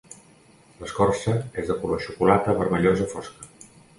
L'escorça és de color xocolata vermellosa fosca.